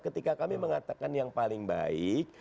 ketika kami mengatakan yang paling baik